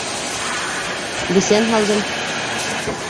Бесән һалдым.